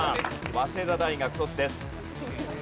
早稲田大学卒です。